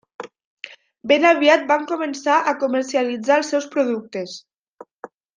Ben aviat van començar a comercialitzar els seus productes.